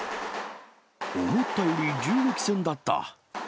思ったより銃撃戦だった。